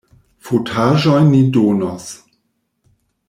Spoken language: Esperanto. Fotaĵojn ni donos.